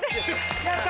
やった！